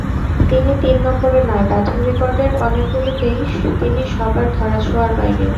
শুধু তিন নম্বরে নয়, ব্যাটিং রেকর্ডের অনেকগুলোতেই তিনি সবার ধরাছোঁয়ার বাইরে।